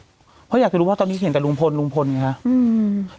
เพราะอยากจะรู้ว่าตอนนี้เห็นแต่ลุงพลอย่างนี้คะ